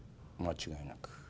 間違いなく。